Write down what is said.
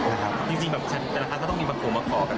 จริงแบบฉันก็ต้องมีมาขอกันไหมละ